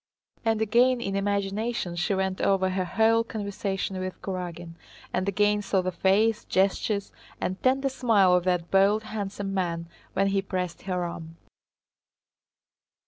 And again in imagination she went over her whole conversation with Kurágin, and again saw the face, gestures, and tender smile of that bold handsome man when he pressed her arm.